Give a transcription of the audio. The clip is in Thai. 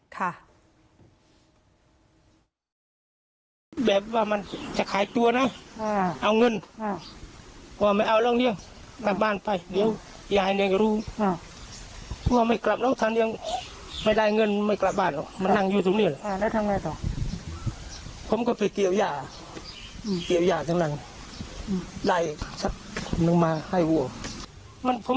เสียงลุยว่ามันปีมาสื่อให้ตอบให้เหลึม